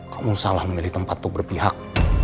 kamu salah memilih tempat untuk berpihak